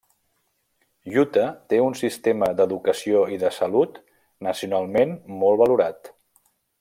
Utah té un sistema d'educació i de salut nacionalment molt valorat.